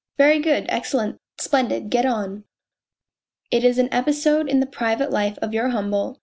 " Very good, excellent, splendid. Get on !"" It is an episode in the private life of your humble